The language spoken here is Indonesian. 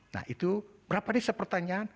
nah itu berapa desa pertanyaan